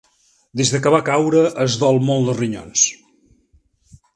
Des que va caure es dol molt dels ronyons.